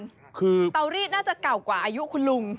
คือเตารีดน่าจะเก่ากว่าอายุคุณลุง